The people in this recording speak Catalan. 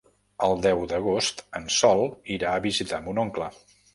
El deu d'agost en Sol irà a visitar mon oncle.